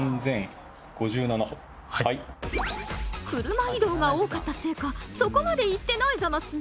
車移動が多かったせいかそこまでいってないザマスね。